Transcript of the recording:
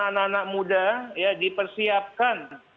anak anak muda ya dipersiapkan